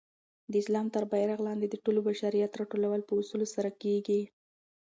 د اسلام تر بیرغ لاندي د ټول بشریت راټولول په اصولو سره کيږي.